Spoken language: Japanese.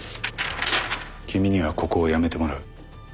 「君にはここを辞めてもらう」